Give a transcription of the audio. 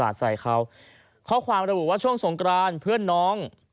ดูว่าช่วงสงกรานเพื่อนน้อง